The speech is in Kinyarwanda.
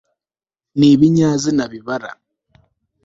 n'ibinyazina bibara